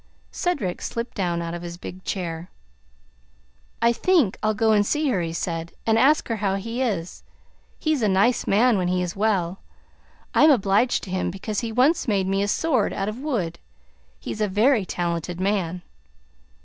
Cedric slipped down out of his big chair. "I think I'll go and see her," he said, "and ask her how he is. He's a nice man when he is well. I'm obliged to him because he once made me a sword out of wood. He's a very talented man."